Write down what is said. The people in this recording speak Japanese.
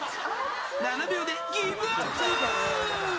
７秒でギブアップ。